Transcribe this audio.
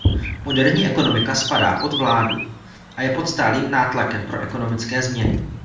Moderní ekonomika spadá pod vládu a je pod stálým nátlakem pro ekonomické změny.